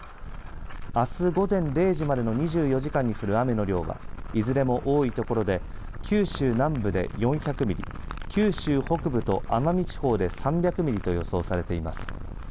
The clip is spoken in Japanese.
あす午前０時までの２４時間に降る雨の量はいずれも多いところで九州南部で４００ミリ九州北部と奄美地方で３００ミリと予想されています。